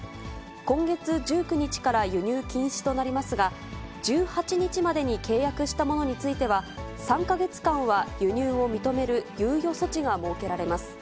今月１９日から輸入禁止となりますが、１８日までに契約したものについては、３か月間は輸入を認める猶予措置が設けられます。